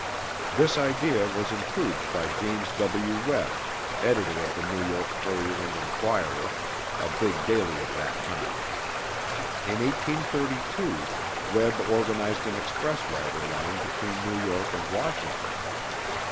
This idea was improved by James W. Webb, Editor of the New York Courier and Enquirer, a big daily of that time. In 1832, Webb organized an express rider line between New York and Washington.